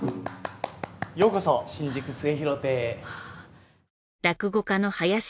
ようこそ新宿末廣亭へ。